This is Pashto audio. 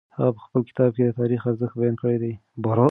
هغه په خپل کتاب کي د تاریخ ارزښت بیان کړی دی.